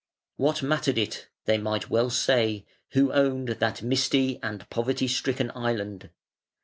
"What mattered it", they might well say, "who owned that misty and poverty stricken island.